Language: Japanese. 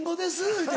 言うて。